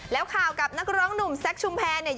แล้วข่าวกับนักร้องหนุ่มแซคชุมแพรเนี่ย